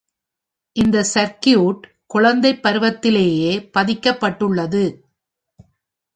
இந்த சர்க்யூட் குழந்தை பருவத்திலேயே பதிக்கப்பட்டுள்ளது.